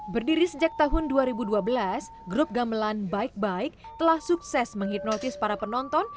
berdiri sejak tahun dua ribu dua belas grup gamelan bike bike telah sukses menghipnotis para penonton